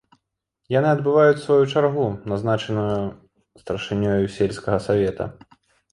Яны адбываюць сваю чаргу, назначаную старшынёю сельскага савета.